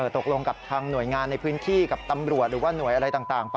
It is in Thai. ตกลงกับทางหน่วยงานในพื้นที่กับตำรวจหรือว่าหน่วยอะไรต่าง